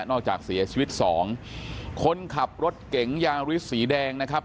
นอกจากเสียชีวิต๒คนขับรถเก๋งยางฤทธิ์สีแดงนะครับ